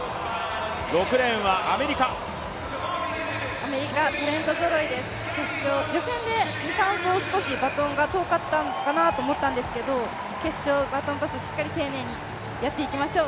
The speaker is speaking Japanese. アメリカ、タレントぞろいです予選でバトンが遠かったのかなと思ったんですけど、決勝、バトンパスをしっかり丁寧にやっていきましょう。